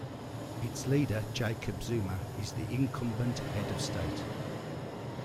Its leader Jacob Zuma is the incumbent head of state.